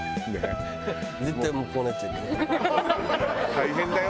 大変だよ？